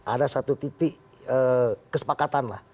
ada satu titik kesepakatan